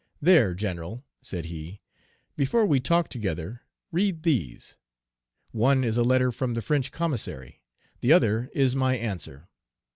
'There, General,' said he, 'before we talk together, read these. One is a letter from the French commissary, the other is my answer.